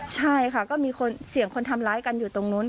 ใช่ค่ะก็มีเสียงคนทำร้ายกันอยู่ตรงนู้น